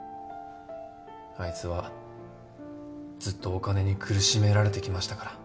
あいつはずっとお金に苦しめられてきましたから。